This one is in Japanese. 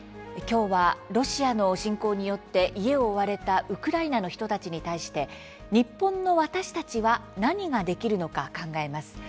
きょうは、ロシアの侵攻によって家を追われたウクライナの人たちに対して日本の私たちは何ができるのか考えます。